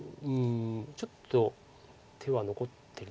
ちょっと手は残ってるのかな？